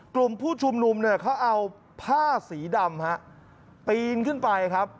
กลุ่มผู้ชุมนุมเนี่ยเขาเอาผ้าสีดำฮะปีนขึ้นไปครับ